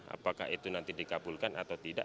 apakah itu nanti dikabulkan atau tidak